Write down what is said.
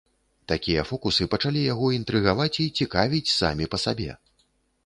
Такія фокусы пачалі яго інтрыгаваць і цікавіць самі па сабе.